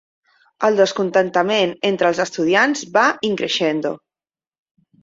El descontentament entre els estudiants va 'in crescendo'.